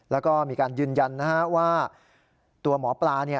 แล้วก็มีการยืนยันนะฮะว่าตัวหมอปลาเนี่ย